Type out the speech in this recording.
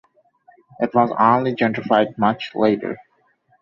It was only gentrified much later.